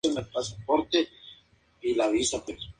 El lugar es bastión del Talibán.